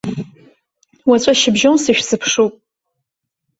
Уаҵәы ашьыбжьон сышәзыԥшуп.